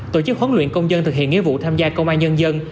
tổ chức huấn luyện công dân thực hiện nghĩa vụ tham gia công an nhân dân